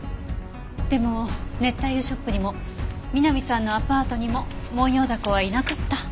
でも熱帯魚ショップにも美波さんのアパートにもモンヨウダコはいなかった。